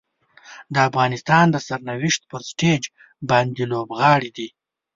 د افغانستان د سرنوشت پر سټیج باندې لوبغاړي دي.